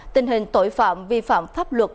tình hình tội phạm vi phạm pháp luật